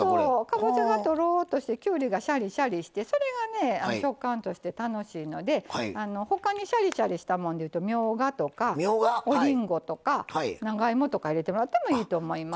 かぼちゃがとろっとしてきゅうりがシャリシャリしてそれがね食感として楽しいので他にシャリシャリしたもんでいうとみょうがとかおりんごとか長芋とか入れてもらってもいいと思います。